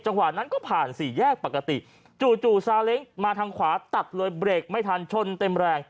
กว่านั้นก็ผ่านสี่แยกปกติจู่ซาเล้งมาทางขวาตัดเลยเบรกไม่ทันชนเต็มแรง